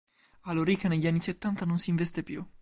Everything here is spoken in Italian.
A Lorica negli anni settanta non si investe più.